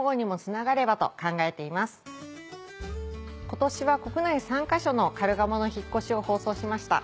今年は国内３か所のカルガモの引っ越しを放送しました。